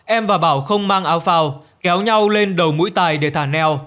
em và bảo không mang áo phao kéo nhau lên đầu mũi tài để thả neo